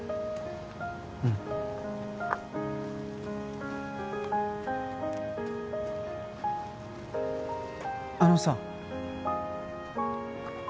うんあのさ